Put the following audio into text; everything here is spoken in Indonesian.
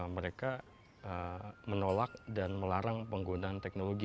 mereka menolak dan melarang penggunaan teknologi